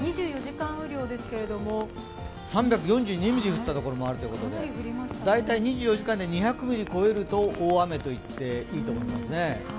３４２ミリ降ったところもあるということで、大体２４時間で２００ミリ超えると大雨といっていいと思いますね。